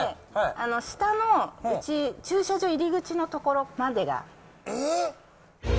下のうち、駐車場入口の所まえっ？